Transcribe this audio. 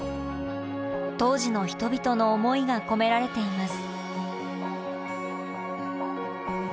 当時の人々の思いが込められています。